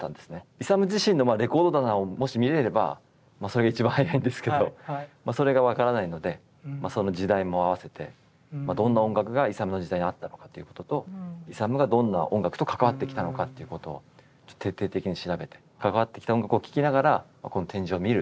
イサム自身のレコード棚をもし見れればそれが一番早いんですけどそれが分からないのでその時代も合わせてどんな音楽がイサムの時代にあったのかっていうこととイサムがどんな音楽と関わってきたのかということを徹底的に調べて関わってきた音楽を聴きながらこの展示を見る。